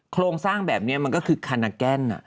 โครงสร้างแบบนี้มันก็คือคานาแกน